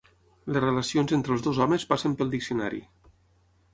Les relacions entre els dos homes passen pel diccionari.